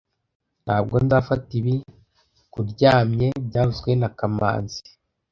Ntabwo nzafata ibi kuryamye byavuzwe na kamanzi